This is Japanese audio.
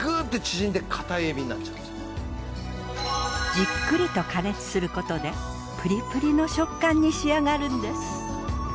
じっくりと加熱することでぷりぷりの食感に仕上がるんです。